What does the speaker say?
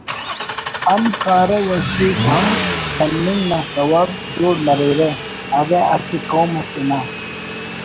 ہم کارہ و شیف ہم تمنگ نا سوب جوڑ مریرہ اگہ اسہ قوم اسے نا